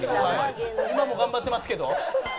今も頑張ってますけど？